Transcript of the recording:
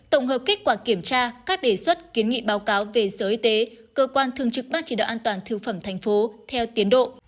tổng hợp kết quả kiểm tra các đề xuất kiến nghị báo cáo về sở y tế cơ quan thường trực ban chỉ đạo an toàn thực phẩm thành phố theo tiến độ